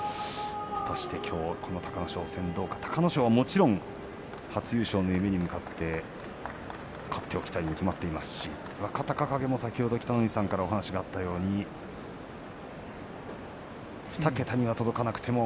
もちろん隆の勝は初優勝の夢に向かって勝っておきたいに決まっていますし若隆景も先ほど北の富士さんからお話があったように２桁には届かなくても。